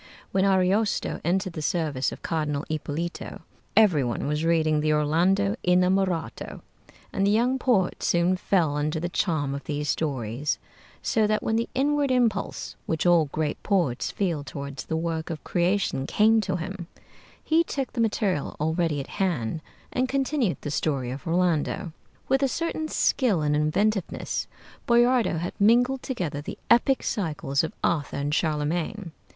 When Ariosto entered the service of Cardinal Ippolito, every one was reading the 'Orlando Innamorato,' and the young poet soon fell under the charm of these stories; so that when the inward impulse which all great poets feel toward the work of creation came to him, he took the material already at hand and continued the story of 'Orlando.' With a certain skill and inventiveness, Boiardo had mingled together the epic cycles of Arthur and Charlemagne.